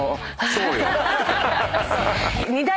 そうよ。